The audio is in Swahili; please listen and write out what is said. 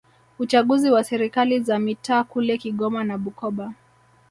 uchaguzi wa serikali za mitaa kule Kigoma na Bukoba